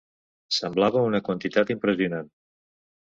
Semblava una quantitat impressionant.